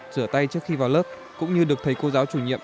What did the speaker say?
rửa tay trước khi vào lớp cũng như được thầy cô giáo chủ nhiệm